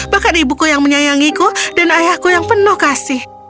bahkan ibuku yang menyayangiku dan ayahku yang penuh kasih